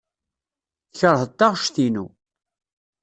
Tkeṛheḍ taɣect-inu.